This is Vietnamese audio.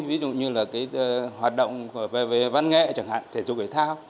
ví dụ như là cái hoạt động về văn nghệ chẳng hạn thể dục thể thao